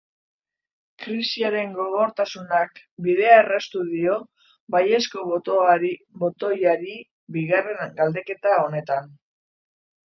Krisiaren gogortasunak bidea erraztu dio baiezko botoari bigarren galdeketa honetan.